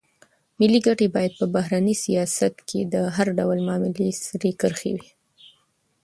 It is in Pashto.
ملي ګټې باید په بهرني سیاست کې د هر ډول معاملې سرې کرښې وي.